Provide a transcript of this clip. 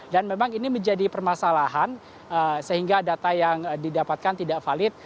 dan memang ini menjadi permasalahan sehingga data yang didapatkan tidak valid